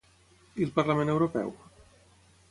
I el Parlament Europeu?